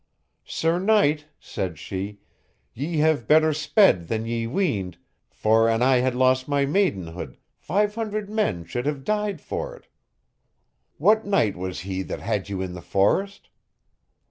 Sir knight, said she, ye have better sped than ye weened, for an I had lost my maidenhead, five hundred men should have died for it. What knight was he that had you in the forest?